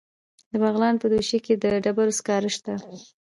د بغلان په دوشي کې د ډبرو سکاره شته.